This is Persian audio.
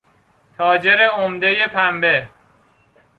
تاجر عمدهی پنبه